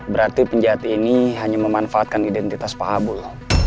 berarti penjahat ini hanya memanfaatkan identitas pak abul